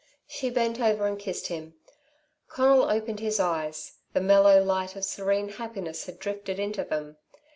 She bent over and kissed him. Conal opened his eyes. The mellow light of serene happiness had drifted into them.